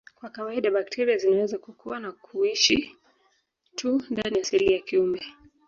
Kwa kawaida bakteria zinaweza kukua na kuishi tu ndani ya seli ya kiumbe